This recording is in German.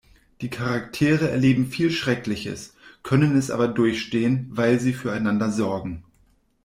Die Charaktere erleben viel Schreckliches, können es aber durchstehen, weil sie füreinander sorgen.